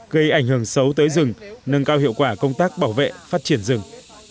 gây ảnh hưởng xấu tới rừng nâng cao hiệu quả công tác bảo vệ phát triển rừng